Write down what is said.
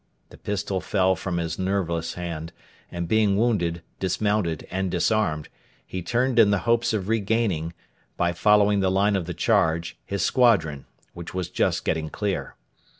The pistol fell from his nerveless hand, and, being wounded, dismounted, and disarmed, he turned in the hopes of regaining, by following the line of the charge, his squadron, which was just getting clear.